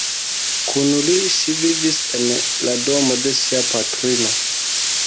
Kun li ŝi vivis en la domo se sia patrino.